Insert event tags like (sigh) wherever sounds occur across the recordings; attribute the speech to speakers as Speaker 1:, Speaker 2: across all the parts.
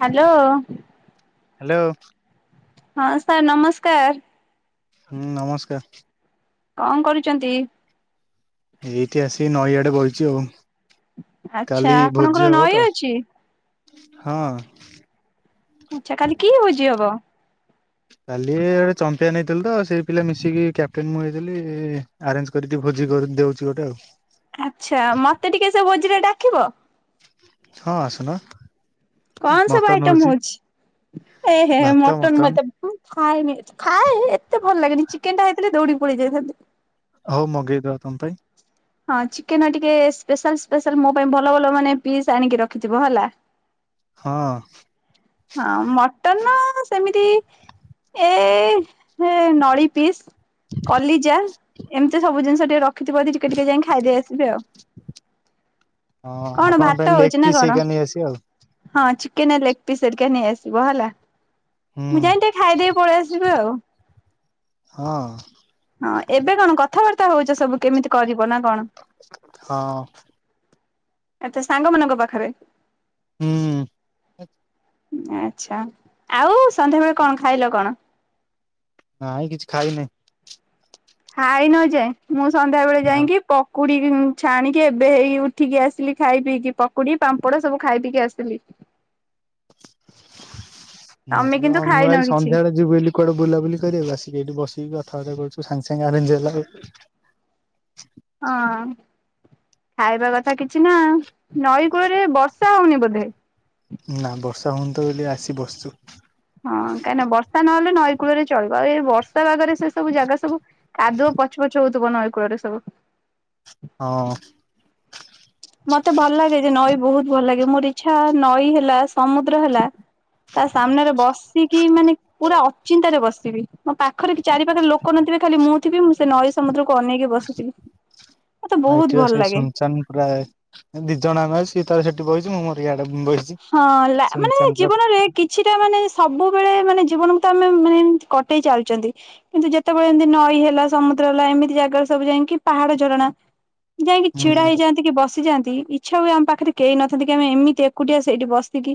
Speaker 1: Hello.
Speaker 2: Hello.
Speaker 1: ହଁ sir ନମସ୍କାର।
Speaker 2: ହୁଁ ନମସ୍କାର।
Speaker 1: କଣ କରୁଛନ୍ତି।
Speaker 2: ଏଇଠି ଆସି ନଈଆଡେ ବଇଚି ଆଉ।
Speaker 1: ଆଚ୍ଛା
Speaker 2: କାଲି
Speaker 1: ଆପଣଙ୍କର
Speaker 2: ଭୋଜି ହବ
Speaker 1: ନଈ
Speaker 2: ତ
Speaker 1: ଅଛି
Speaker 2: ହଁ।
Speaker 1: ଆଚ୍ଛା କାଲି କି ବୁଝି ହବ।
Speaker 2: କାଲି ଗୋଟେ ଚମ୍ପିୟନ ହେଇଥିଲ ତ ସେଇ ପିଲା ମିଶିକି କ୍ୟାପଟେନ ମୁଁ ହେଇଥିଲି ଆରେଞ୍ଜ କରିକି ଭୋଜି। (inaudible) ଦଉଛି ଗୋଟେ ଆଉ।
Speaker 1: ଆଚ୍ଛା ମତେ ଟିକେ ସେ ଭୋଜିରେ ଡାକିବ।
Speaker 2: ହଁ ଆସୁନ।
Speaker 1: କଣ ସବୁ
Speaker 2: ମଟନ
Speaker 1: ଆଇଟମ
Speaker 2: ହଉଛି
Speaker 1: ହଉଛି ଏ ଏ ମଟନ ମତେ ଖାଏନି। ଖାଏ ଏତେ ଭଲ ଲାଗେନି ଚିକେନ ଟା ହେଇଥିଲେ ଦୌଡିିକି ପଳେଇ ଯାଇଥାନ୍ତି।
Speaker 2: ହଉ ମଗେଇଦବା ତମ ପାଇଁ।
Speaker 1: ହଁ ଚିକେନ ଟିକେ ସ୍ପେଶାଲ ସ୍ପେଶାଲ ମୋ ପାଇଁ ଭଲ ଭଲ ମାନେ ପିସ୍ ଆଣିକି ରଖିଥିବ ହେଲା।
Speaker 2: ହଁ।
Speaker 1: ହଁ ମଟନ ସେମିତି ଏଇ ନଳିୀ ପିସ୍। କଲିଜାଲ ଏମିତି ସବୁ ଜିନିଷ ଟିକେ ରଖ। ଥିବ ଯଦି ଟିକେ ଟିକେ ଯାଇ ଖାଇଦେଇ ଆସିବେ ଆଉ।
Speaker 2: ହଁ
Speaker 1: କଣ
Speaker 2: ଆପଣଙ୍କ
Speaker 1: ଭାତ
Speaker 2: ପାଇଁ ଲେଗ
Speaker 1: ହଉଛି ନା
Speaker 2: ପିସ୍
Speaker 1: କଣ?
Speaker 2: ହେକା ନେଇ ଆସିବ ଆଉ।
Speaker 1: ହଁ ଚିକେନ ଲେଗ ପିସ୍ ହେରିକା ନେଇ ଆସିବ ହେଲା।
Speaker 2: ହୁଁ
Speaker 1: ମୁଁ ଯାଇ ଟିକେ ଖାଇଦେଇ ପଳେଇ ଆସିବି ଆଉ।
Speaker 2: ହଁ।
Speaker 1: ହଁ ଏବେ କଣ କଥାବାର୍ତ୍ତା ହଉଛ ସବୁ କେମିତି କରିବ ନା କଣ।
Speaker 2: ହଁ।
Speaker 1: ଆଛା ସାଙ୍ଗ ମାନଙ୍କ ପାଖରେ।
Speaker 2: ହୁଁ।
Speaker 1: ଆଛା ଆଉ ସନ୍ଧ୍ୟାବେଳେ କଣ ଖାଇଲ କଣ।
Speaker 2: ନାଇଁ କିଛି ଖାଇନି।
Speaker 1: ହାଇନ ଯାଏଁ ମୁଁ ସନ୍ଧ୍ୟା ବେଳେ
Speaker 2: ନା
Speaker 1: ଯାଇକି ପ ପକୁଡି ଛାଣିକି ଏବେ ହେଇ ଉଠିକି ଆସିଲି ଖାଇ ପିଇକି ପକୁଡି ପାମ୍ପଡ ସବୁ ଖାଇ ପିକି ଆସିଲି।
Speaker 2: ମୁଁ
Speaker 1: ତମେ କିନ୍ତୁ
Speaker 2: ମୁଁ
Speaker 1: ଖାଇନ
Speaker 2: ଆଲି
Speaker 1: କିଛି
Speaker 2: ସନ୍ଧ୍ୟାବେଳେ ଯିବି ବୋଲି କୁଆଡେ ବୁଲାବୁଲି କରିବାକୁ ଆସିକି ଏଠି ବସି। କି କଥାବାର୍ତ୍ତା କରୁଛୁ ସାଙ୍ଗେ ସାଙ୍ଗେ ଆରେଞ୍ଜ ହେଲା ଆଉ।
Speaker 1: ହଁ। ଖାଇବା କଥା କିଛି ନା ନଈ କୂଳରେ ବର୍ଷା ହଉନି ବୋଧେ।
Speaker 2: ନା ବର୍ଷା ହଉନିତ ବୋଲି ଆସି ବସିଛୁ।
Speaker 1: ହଁ କାହିଁକିନା ବର୍ଷା ନହେଲେ ନଈ କୂଳରେ ଚଳିବ ଆଉ ଏ ବର୍ଷା ପାଗରେ ସେ ସବୁ ଜାଗା ସବୁ କାଦୁଅ ପ ପଛ ପଛ ହଉଥିବ ନଈ କୂଳରେ ସବୁ।
Speaker 2: ହଁ।
Speaker 1: ମତେ ଭଲ ଲାଗେ ଯେ ନଈ ବହୁତ ଭଲ ଲାଗେ ମୋର ଇଚ୍ଛା ନଈ ହେଲା। ସମୁଦ୍ର ହେଲା ତା ସାମ୍ନାରେ ବସିକି ମାନେ ପୁରା ଅଚିନ୍ତାରେ ବସିବି ମୋ ପାଖରେ କି ଚାରି ପାଖରେ ଲୋକ ନଥିବେ ଖାଲି ମୁଁ ଥିବି ମୁଁ ସେ ନଈ ସମୁଦ୍ରକୁ ଅନେଇକି କି ବସିଥିବି। ମତେ
Speaker 2: ହଁ
Speaker 1: ବହୁତ
Speaker 2: ଏଠି
Speaker 1: ଭଲ
Speaker 2: ସେଇ
Speaker 1: ଲାଗେ
Speaker 2: ସୁନସାନ ପ୍ରାୟ ଦି ଜଣ ଆମେ ଆସିଛୁ ସିଏ ତା ସେଠି ବହିଛି ମୁଁ ମୋର ଇଆଡେ। ବଇଛି
Speaker 1: ହଁ ଲା ମାନେ
Speaker 2: ସୁନସାନ ପୁରା
Speaker 1: ଜୀବନରେ କିଛିଟା ମାନେ ସବୁବେଳେ ମାନେ ଜୀବନକୁ ତ ଆମେ ମାନେ ଏମିତି କଟେଇ ଚାଲିଚନ୍ତି କିନ୍ତୁ ଯେତେବେଳେ ଏମିତି ନଈ ହେଲା ସମୁଦ୍ର ହେଲା ଏମିତି ଜାଗା ସବୁ ଯାଇଁକି ପାହାଡ ଝରଣା ଯାଇକି ଛିଡା
Speaker 2: ହୁଁ
Speaker 1: ହେଇଯାନ୍ତିକି ବସିଯାନ୍ତି ଇଚ୍ଛା ହୁଏ ଆମ ପାଖରେ କେହି ନଥାନ୍ତେ କି ଆମେ ଏମିତି ଏ ଏକୁଟିଆ ସେଇଠି ବସିକିି।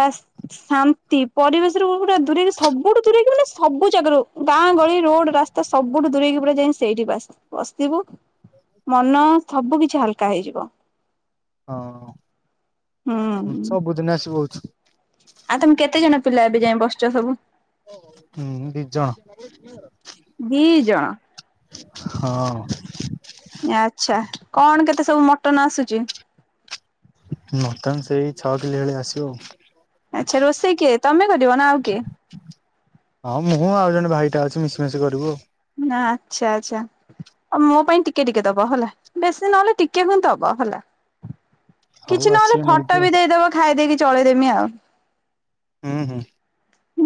Speaker 1: ବାସ ଶାନ୍ତି ପରିବେସରୁ ଗୋ-ଗୋଟେ ଦୂରେଇକି ସବୁଠୁ ଦୂରେଇକି ମାନେ ସବୁ ଜାଗାରୁ ବା ଗାଁ, ଗଳି, ରୋଡ, ରାସ୍ତା ସବୁଠୁ ଦୂରେଇକି ପୁରା ଯାଇଁ ସେଇଠି ବାସ ବସିଥିବୁ। ମନ ସବୁ କିଛି ହାଲକା ହେଇଯିବ।
Speaker 2: ହଁ।
Speaker 1: ହୁଁ
Speaker 2: ଉଁ ସବୁଦିନ ଆସିକି ବଉଚି
Speaker 1: ଆଉ ତମେ କେତେଜଣ ପିଲା ଏବେ ଯାଇ ବସୁଛ ସବୁ?
Speaker 2: ହୁଁ ଦି ଜଣ।
Speaker 1: ଦି ଜଣ।
Speaker 2: ହଁ।
Speaker 1: ଆଚ୍ଛା କଣ କେତେ ସବୁ ମଟନ ଆସୁଛି?
Speaker 2: ମଟନ ସେଇ ଛଅ କିଲେ ଭଳିଆ ଆସିବ ଆଉ।
Speaker 1: ଆଚ୍ଛା ରୋଷେଇ କିଏ ତମେ କରିବନା ଆଉ କିଏ?
Speaker 2: ହଁ ମୁଁ ଆଉ ଜଣେ ଭାଇଟା ଅଛି ମିଶିମିଶି କରିବୁ।
Speaker 1: ନା ଆଚ୍ଛା ଆଚ୍ଛା। ଆଉ ମୋ ପାଇଁ ଟିକେ ଟିକେ ଦବ ହେଲା ବେଶୀ ନହେଲେ ଟିକେ ତ ଦବ ହେଲା।
Speaker 2: ହଉ
Speaker 1: କିଛି ନହେଲେ
Speaker 2: ଆସିବେ
Speaker 1: ଫଟୋ
Speaker 2: ନେଇଯିବ
Speaker 1: ବି ଦେଇଦବ ଖାଇଦେଇକି ଚଳେଇଦେମି ଆଉ।
Speaker 2: ହୁଁ ହୁଁ।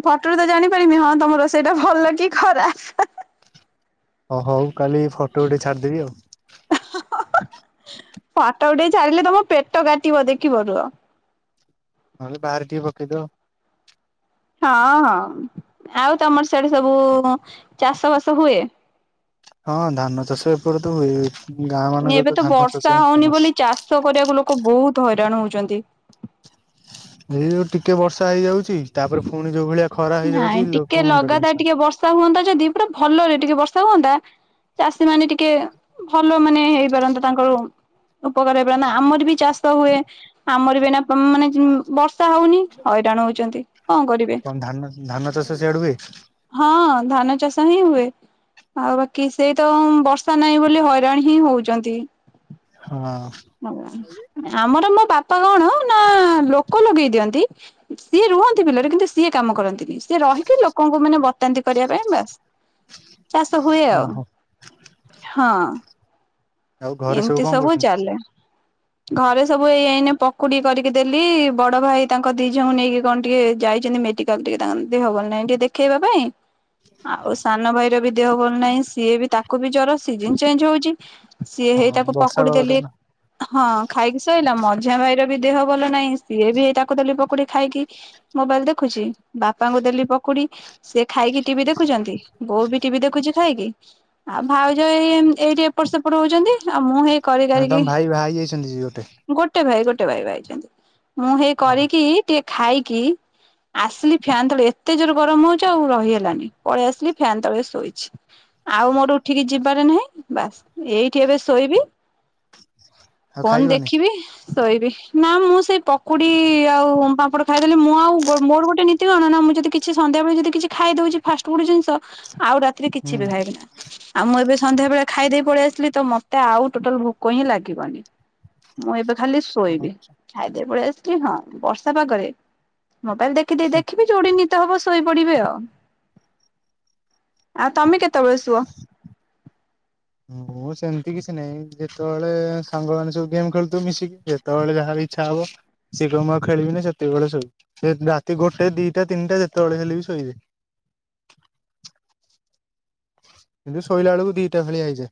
Speaker 1: ଫଟୋରୁ ତ ଜାଣିପାରିମି ହଁ ତମ ରୋସେଇଟା ଭଲ କି ଖରାପ ହେଁ ହେଁ।
Speaker 2: ହ ହୋଉ କାଲି ଫୋଟୋ ଉଠେଇକି ଛାଡିଦେବି ଆଉ।
Speaker 1: ଫଟୋ ଉଠେଇ ଛାଡିଲେ ତମ ପେଟ କାଟିବ ଦେଖିବ ରୁହ।
Speaker 2: ନହେଲେ ବାହାରେ ଟିକେ ପକେଇଦବ।
Speaker 1: ହଁ ହଁ ଆଉ ତମର ସିଆଡ଼େ ସବୁ ଙ୍କ ଚାଷ ବାସ ହୁଏ।
Speaker 2: ହଁ ଧାନ ଚାଷ ଏପଟେ ତ ହୁଏ। ଗାଁ ମାନଙ୍କରେ
Speaker 1: ଏବେ ତ
Speaker 2: ଧାନ ଚାଷ
Speaker 1: ବର୍ଷା
Speaker 2: ହିଁ
Speaker 1: ହଉନି
Speaker 2: ଫେମସ
Speaker 1: ବୋଲି ଚାଷ କରିବାକୁ ଲୋକ ବହୁତ ତ ହଇରାଣ ହଉଛନ୍ତି।
Speaker 2: ଏଇଯୋଉ ଟିକେ ବର୍ଷା ହେଇଯାଉଛି ତାପରେ ପୁଣି ଯୋଉ ଭଳିଆ ଖରା ହେଇଯାଉଛି
Speaker 1: ନାଇଁ
Speaker 2: ଲୋକ
Speaker 1: ଟିକେ
Speaker 2: ମୁଣ୍ଡ
Speaker 1: ଲଗାତାର
Speaker 2: ଟେନସନ।
Speaker 1: ଟିକେ ବର୍ଷା ହୁଅନ୍ତା ଯଦି ପୁରା ଭଲରେ ଟିକେ ବର୍ଷା ହୁଅନ୍ତା ଚାଷୀ ମାନେ ଟିକେ ଭଲ ମାନେ ହେଇପାରନ୍ତା ତାଙ୍କର। ଉପକାର ଏଇଭଳିଆ ନା ଆମର ବି ଚାଷ ହୁଏ ଆମର ବି ଏଇନା ପ ମାନେ ଜ ବର୍ଷ ବର୍ଷା ହଉନି ହଇରାଣ ହଉଛନ୍ତି କଣ କରିବେ?
Speaker 2: ଧାନ ଚାଷ ସିଆଡେ ହୁଏ?
Speaker 1: ହଁ ଧାନଚାଷ ହିଁ ହୁଏ। ଆଉ ବାକି ସେଇତ ବର୍ଷା ନାହିଁ ବୋଲି ହଇରାଣ ହିଁ ହଉଛନ୍ତି।
Speaker 2: ହଁ
Speaker 1: ଆଜ୍ଞା ନାଇ ଆମର ମୋ ବାପା କଣ ନା ନା ଲୋକ ଲଗେଇ ଦିଅନ୍ତି ସିଏ ରୁହନ୍ତି ବିଲରେ କିନ୍ତୁ ସିଏ କାମ କରନ୍ତିନି ସିଏ ରହିକି ଲୋ ଲୋକଙ୍କୁ ମାନେ ବତାନ୍ତି କରିବା ପାଇଁ ବାସ ଚାଷ ହୁଏ ଆଉ।
Speaker 2: ଓହୋ।
Speaker 1: ହଁ।
Speaker 2: ଆଉ ଘରେ
Speaker 1: ଏମିତି
Speaker 2: କଣ
Speaker 1: ସବୁ
Speaker 2: କରୁଛନ୍ତି?
Speaker 1: ଚାଲେ। ଘରେ ସବୁ ଏଇ ଏଇନେ ପକୁଡି କରିକି ଦେଲି ବଡଭାଇ ତାଙ୍କ ଦି ଝିଅଙ୍କୁ ନେଇକି କଣ ଟିକେ ଯାଇ ଛନ୍ତି ମେଡିକାଲ ଟିକେ ତାଙ୍କ ଦେହ ଭଲ ନାଇଁ ଟିକେ ଦେଖେଇବା ପାଇଁ। ଆଉ ସାନଭାଇର ବି ଦେହ ଭଲ ନାହିଁ ସିଏ ବି ତାକୁ ବି ଜର ସିଜିନ ଚେଞ୍ଜ ହଉଛି। ସିଏ ହେଇ
Speaker 2: ହଁ
Speaker 1: ତାକୁ
Speaker 2: ବର୍ଷା
Speaker 1: ପକୁଡି
Speaker 2: ପାଗଟା
Speaker 1: ଦେଲି
Speaker 2: ନା।
Speaker 1: ହଁ ଖାଇକି ସୋଇଲା ମଝିଆଭାଇ ର ବି ଦେହ ଭଲ ନାହିଁ ସିଏ ବି ଏଇ ତାକୁ ଦେଲି ପକୁଡି ଖାଇକି ମୋବାଇଲ ଦେଖୁଛି ବାପାଙ୍କୁ ଦେଲି ପ ପକୁଡି ସେ ଖାଇକି ଟିଭି ଦେଖୁଛନ୍ତି ବୋଉ ବି ଟିଭି ଦେଖୁଛି ଖାଇକି ଆଉ ଭାଉଜ ଏଇ ଉଁ ଏଇଠି ଏପଟ ସେପଟ ହଉଛନ୍ତି ଆଉ ମୁଁ ହେଇ କରି
Speaker 2: ମାନେ
Speaker 1: କରିକି
Speaker 2: ତମ ଭାଇ ବାହା ହେଇଯାଇଛନ୍ତି କି ଗୋଟେ?
Speaker 1: ଗୋଟେ ଭାଇ ଗୋ ଛନ୍ତି ମୁଁ ହେଇ
Speaker 2: ଓହୋ।
Speaker 1: କରିକି ଟିକେ ଖାଇକି ଆସିଲି ଫ୍ୟାନ ତଳେ ଏତେ ଜୋର ଗରମ ହଉଛି ଆଉ ରହି ହେଲାନି ପଳେଇ ଆସିଲି ଫ୍ୟାନ ତଳେ ଶୋଇଛି। ଆଉ ମୋର ଉଠିକି ଯିବାରେ ନାହିଁ ବାସ୍। ଏଇଠି ଏବେ ଶୋଇବି
Speaker 2: ଆଉ
Speaker 1: ଫୋନ୍
Speaker 2: ଖାଇବନି
Speaker 1: ଦେଖିବି ଶୋଇବି ନା ମୁଁ ସେଇ ପକୁଡି ଆଉ ପାମ୍ପଡ଼ ଖାଇଦେଲି ମୁଁ ଆଉ ମୋର ଗୋଟେ ନୀତି କଣ ନା ମୁଁ ଯଦି କିଛି ସନ୍ଧ୍ୟାବେଳେ ଯଦି କିଛି ଖାଇ ଦଉଛି ଫାଷ୍ଟ ଫୁଡ ଜିନିଷ ଆଉ ରାତିରେ
Speaker 2: ହୁଁ।
Speaker 1: କିଛି ବି ଖାଇବି ନା ଆଉ ମୁଁ ଏବେ ସନ୍ଧ୍ୟା ବେଳେ ଖାଇଦେଇ ପଳେଇ ଆସିି ମତେ ଆଉ ଟୋଟାଲ ଭୋକ ହିଁ ଲାଗିବନି ମୁଁ ଏବେ ଖାଲି
Speaker 2: ଓହୋ।
Speaker 1: ଶୋଇବେ ଖାଇଦେଇ କି ପଳେଇ ଆସିଲେ ହଁ ବର୍ଷା ପାଗରେ ମୋବାଇଲ ଦେଖିବି ଦେଖିବି ଯୋଉଠି ନିଦ ହବ ଶୋଇପଡିବି ଆଉ। ଆ ତମେ କେତେବେଳେ ଶୁଅ?
Speaker 2: ସେମତି କିଛି ନାଇଁ ଯେତେବେଳେ ସାଙ୍ଗମାନେ ସବୁ ଗେମ୍ ଖେଳୁଥିବେ ମିଶିକି ଯେତେବେଳେ ଯାହାର ଇଚ୍ଛା ହବ। ସେ କହିବ ଆଉ ଖେଳିବି ନି ସେତିକିବେଳେ ଶୋଇବି ରାତି ଗୋଟେ ଦିଟା ତିନିଟା ଯେତେବେଳେ ହେଲେବି ଶୋଇବି।
Speaker 1: ଆ।
Speaker 2: କିନ୍ତୁ, ଶୋଇଲା ବେଳକୁ ଦିଟା ଭଳିଆ ହେଇଯାଏ।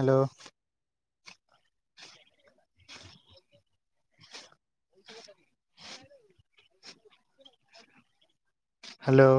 Speaker 2: ହାଲୋ। (inaudible) ହାଲୋ।